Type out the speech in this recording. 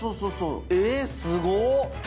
ええすごっ